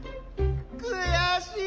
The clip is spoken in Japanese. くやしい！